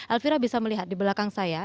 elvira bisa melihat di belakang saya